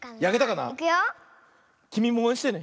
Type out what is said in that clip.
きみもおうえんしてね。